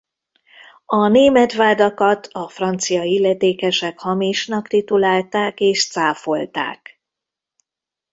A német vádakat a francia illetékesek hamisnak titulálták és cáfolták.